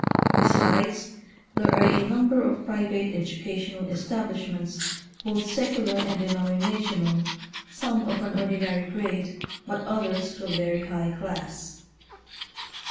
Besides, there are a number of private educational establishments, both secular and denominational, some of an ordinary grade, but others of a very high class.